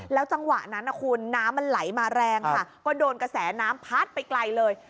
จังหวะนั้นนะคุณน้ำมันไหลมาแรงค่ะก็โดนกระแสน้ำพัดไปไกลเลย